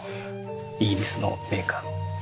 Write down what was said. イギリスのメーカーの。